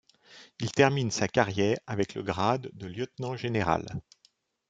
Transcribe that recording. Il termine sa carrière avec le grade de lieutenant-général.